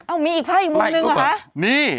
อ้าวมีอีกพร้อมอีกมุมนึงว่ะฮะนี่